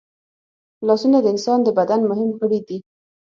لاسونه د انسان د بدن مهم غړي دي